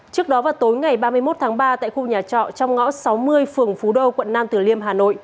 trước đó vào tối ngày ba mươi một tháng ba tại khu nhà trọ trong ngõ sáu mươi phường phú đô quận nam tử liêm hà nội